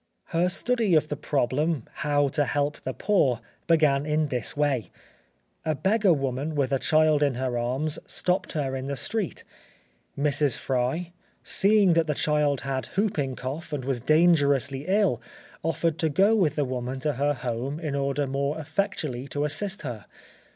Her study of the problem, how to help the poor, began in this way. A beggar woman with a child in her arms stopped her in the street. Mrs. Fry, seeing that the child had whooping cough and was dangerously ill, offered to go with the woman to her home in order more effectually to assist her.